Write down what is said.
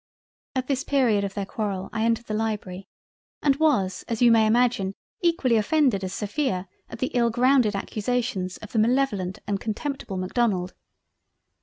At this period of their Quarrel I entered the Library and was as you may imagine equally offended as Sophia at the ill grounded accusations of the malevolent and contemptible Macdonald.